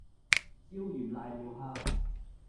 椒鹽瀨尿蝦